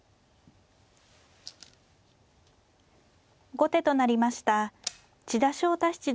後手となりました千田翔太七段です。